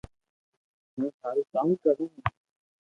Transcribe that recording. ھونن ٿارو ڪاو ڪرو